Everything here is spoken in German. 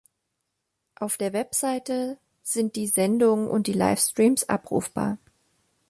Auf der Website sind die Sendungen und die Livestreams abrufbar.